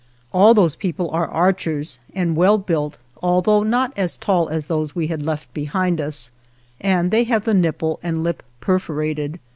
All those people are archers and well built, although not as tall as those we had left behind us, and they have the nipple and lip perforated.